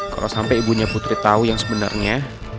kalau sampai ibunya putri tahu yang sebenarnya